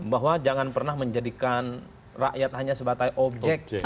bahwa jangan pernah menjadikan rakyat hanya sebagai objek